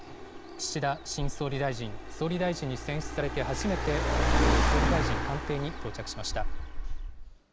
岸田新総理大臣、総理大臣に選出されて初めて、先ほど総理大臣官邸に到着しました。